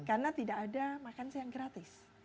karena tidak ada makan siang gratis